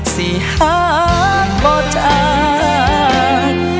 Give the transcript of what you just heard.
สี่หักบ่จาง